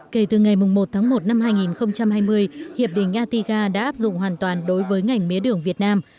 kể từ ngày một tháng một năm hai nghìn hai mươi hiệp định atiga đã áp dụng hoàn toàn đối với ngành mía đường việt nam